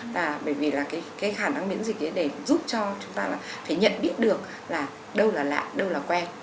và bởi vì là cái khả năng miễn dịch ấy để giúp cho chúng ta phải nhận biết được là đâu là lạ đâu là quen